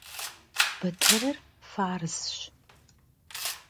Бытырыр фарзщ.